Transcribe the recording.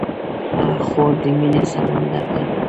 خور د مینې سمندر ده.